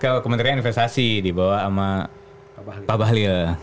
ke pusat kementerian universitas dibawa sama pak bahlil